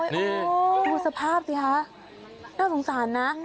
นี่ดูสภาพสิคะน่าสงสารนะ